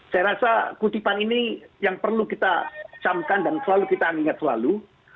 saya rasa kutipan ini yang perlu kita camkan dan selalu kita ingat selalu